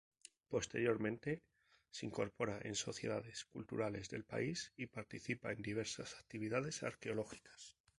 Posteriormente se incorpora en sociedades culturales del país, y participa en diversas actividades arqueológicas.